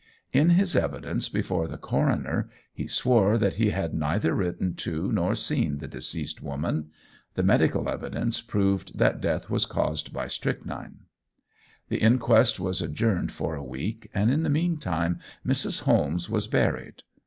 In his evidence before the coroner, he swore that he had neither written to nor seen the deceased woman. The medical evidence proved that death was caused by strychnine. The inquest was adjourned for a week, and in the meanwhile Mrs. Holmes was buried.